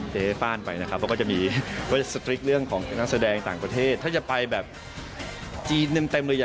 ถ้าเขาชอบเราเราก็ต้องชอบเขาด้วย